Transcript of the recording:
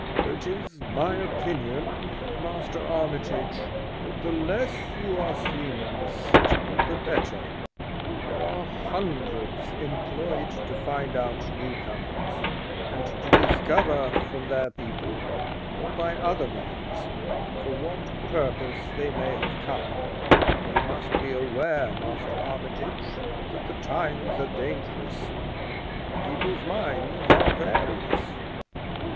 "It is my opinion, Master Armitage, that the less you are seen in this city the better; there are hundreds employed to find out new comers, and to discover, from their people, or by other means, for what purpose they may have come; for you must be aware, Master Armitage, that the times are dangerous, and people's minds are various.